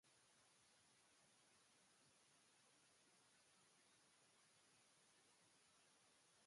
There are significant areas of mangrove communities along the shores.